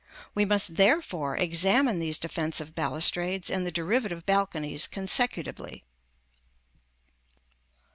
We must, therefore, examine these defensive balustrades and the derivative balconies consecutively.